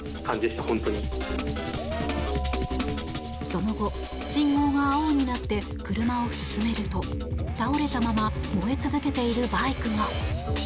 その後、信号が青になって車を進めると倒れたまま燃え続けているバイクが。